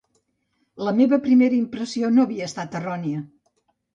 La meva primera impressió no havia estat errònia